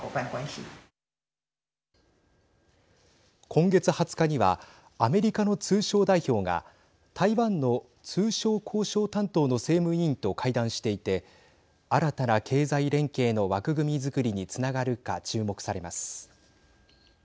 今月２０日にはアメリカの通商代表が台湾の通商交渉担当の政務委員と会談していて新たな経済連携の枠組みづくりにつながるか注目されます。